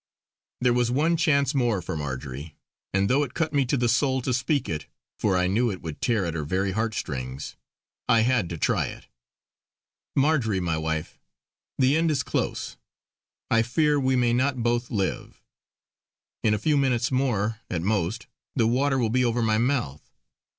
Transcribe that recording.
There was one chance more for Marjory: and though it cut me to the soul to speak it, for I knew it would tear at her very heartstrings, I had to try it: "Marjory, my wife, the end is close! I fear we may not both live. In a few minutes more, at most, the water will be over my mouth.